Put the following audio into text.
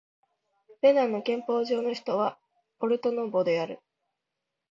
ベナンの憲法上の首都はポルトノボである